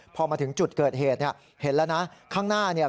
พอมาถึงจุดเกิดเหตุเนี่ยเห็นแล้วนะข้างหน้าเนี่ย